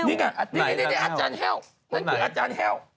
นี่ไงนี่อาจารย์แห้ว